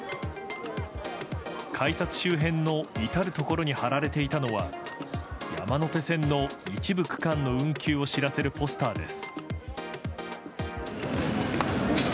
改札周辺の至るところに貼られていたのは山手線の一部区間の運休を知らせるポスターです。